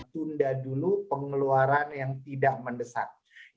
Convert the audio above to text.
tunda dulu pengeluaran yang tidak mendesak